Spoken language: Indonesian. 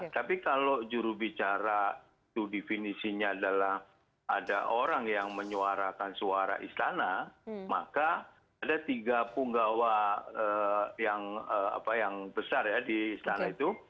tapi kalau jurubicara itu definisinya adalah ada orang yang menyuarakan suara istana maka ada tiga punggawa yang besar ya di istana itu